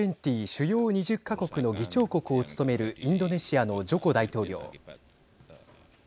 Ｇ２０＝主要２０か国の議長国を務めるインドネシアのジョコ大統領。